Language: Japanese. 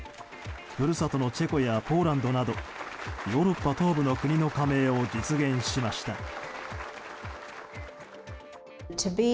故郷のチェコやポーランドなどヨーロッパ東部の国の加盟を実現しました。